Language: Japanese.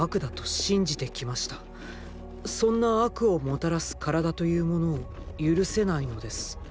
そんな悪をもたらす身体というものを許せないのです。